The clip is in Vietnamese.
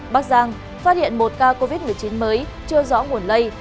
bắc giang phát hiện một ca covid một mươi chín mới chưa rõ nguồn lây